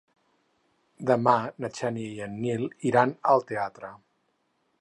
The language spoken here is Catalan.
Demà na Xènia i en Nil iran al teatre.